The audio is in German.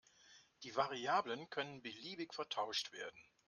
Die Variablen können beliebig vertauscht werden.